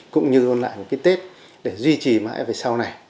cũng như ôn lại một cái tết để duy trì mãi về sau này